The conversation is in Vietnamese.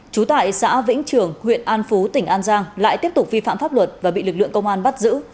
trú tại xã vĩnh trường huyện an phú tỉnh an giang lại tiếp tục vi phạm pháp luật và bị lực lượng công an bắt giữ